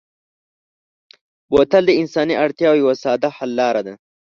بوتل د انساني اړتیا یوه ساده حل لاره ده.